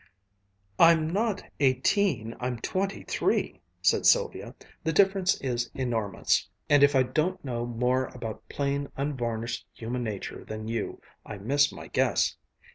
"I'm not eighteen, I'm twenty three," said Sylvia. "The difference is enormous. And if I don't know more about plain unvarnished human nature than you, I miss my guess!